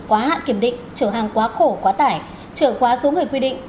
quá hạn kiểm định trở hàng quá khổ quá tải trở quá số người quy định